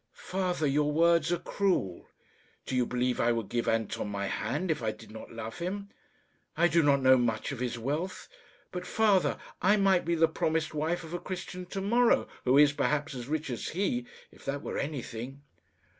"Father, your words are cruel. Do you believe I would give Anton my hand if I did not love him? I do not know much of his wealth; but, father, I might be the promised wife of a Christian to morrow, who is, perhaps, as rich as he if that were anything."